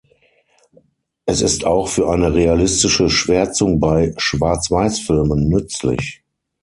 Es ist auch für eine realistische Schwärzung bei Schwarzweißfilmen nützlich.